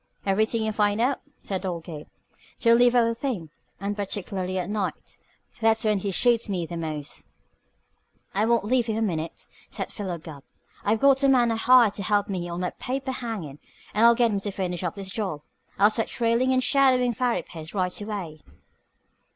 "Everything you find out," said old Gabe. "Don't leave out a thing. And particularly at night. That's when he shoots me the most." "I won't leave him a minute," said Philo Gubb. "I've got a man I hire to help me on my paper hangin', and I'll get him to finish up this job. I'll start trailin' and shadowin' Farry Pierce right away."